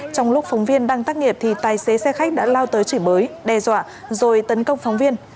trong lúc phóng viên đang tác nghiệp thì tài xế xe khách đã lao tới chửi bới đe dọa rồi tấn công phóng viên